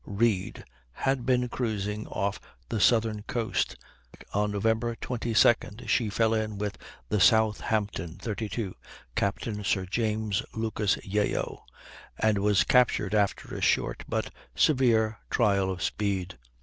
Read, had been cruising off the southern coast; on Nov. 22d she fell in with the Southampton, 32, Captain Sir James Lucas Yeo, and was captured after a short but severe trial of speed.